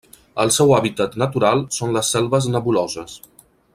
El seu hàbitat natural són les selves nebuloses.